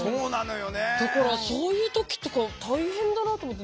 だから、そういう時とか大変だなと思って。